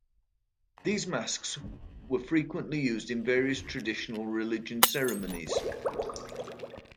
These masks were frequently used in various Traditional Religion ceremonies.